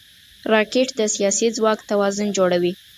راکټ د سیاسي ځواک توازن جوړوي